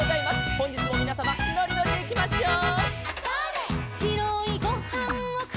「ほんじつもみなさまのりのりでいきましょう」